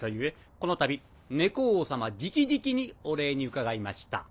このたび猫王様直々にお礼に伺いました。